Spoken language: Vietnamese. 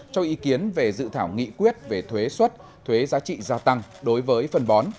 cho ý kiến về dự thảo nghị quyết về thuế xuất thuế giá trị gia tăng đối với phân bón